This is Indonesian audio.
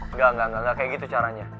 enggak enggak enggak kayak gitu caranya